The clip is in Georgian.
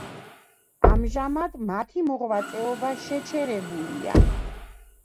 ამჟამად მათი მოღვაწეობა შეჩერებულია.